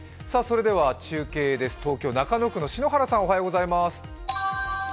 中継です、東京・中野区の篠原さんおはようございます。